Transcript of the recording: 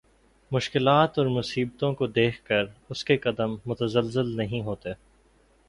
مشکلات اور مصیبتوں کو دیکھ کر اس کے قدم متزلزل نہیں ہوتے